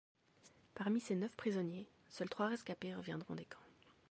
Parmi ces neuf prisonniers, seul trois rescapés reviendront des camps.